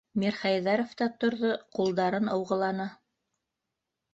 Мирхәйҙәров та торҙо, ҡулдарын ыуғыланы: